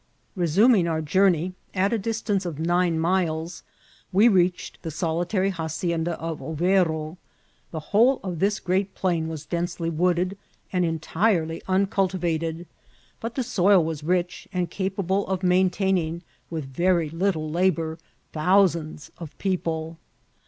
Resuming our journey, at a distance of nine miles we reached the solitary hacienda of Overo. The whole of this great plain was densely wooded and entirely im cultivated, but the soil was rich, and capable of main taining, with very little labour, thousands of people.